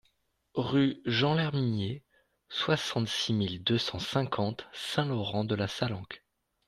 Rue Jean Lherminier, soixante-six mille deux cent cinquante Saint-Laurent-de-la-Salanque